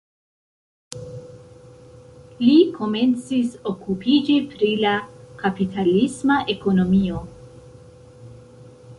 Li komencis okupiĝi pri la kapitalisma ekonomio.